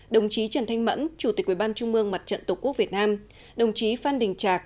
đồng chí trần thanh mẫn chủ tịch ubnd mặt trận tổ quốc việt nam đồng chí phan đình trạc